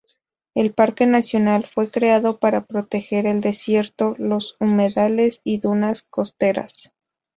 El parque nacional fue creado para proteger el desierto, los humedales y dunas costeras.